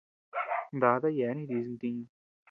Dada yeabean jidis ntiñu.